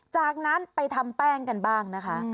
จากนั้นไปทำแป้งกันบ้างนะคะ